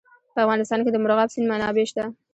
په افغانستان کې د مورغاب سیند منابع شته.